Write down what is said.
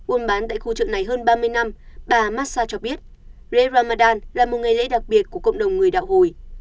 ôm bán tại khu chợ này hơn ba mươi năm bà massag cho biết rê ramadan là một ngày lễ đặc biệt của cộng đồng người đạo hồi